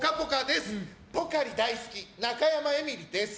ぽかり大好き中山エミリです。